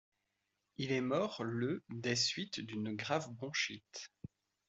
Il est mort le des suites d'une grave bronchite.